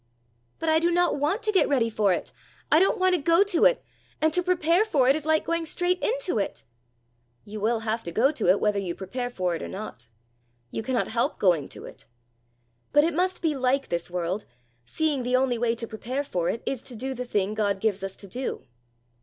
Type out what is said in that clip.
"But I do not want to get ready for it. I don't want to go to it; and to prepare for it is like going straight into it!" "You have to go to it whether you prepare for it or not. You cannot help going to it. But it must be like this world, seeing the only way to prepare for it is to do the thing God gives us to do."